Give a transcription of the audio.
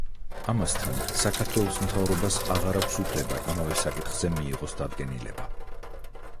ამასთან, საქართველოს მთავრობას აღარ აქვს უფლება, იმავე საკითხზე მიიღოს დადგენილება.